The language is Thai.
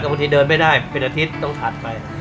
บางทีเดินไม่ได้เป็นอาทิตย์ต้องถัดไป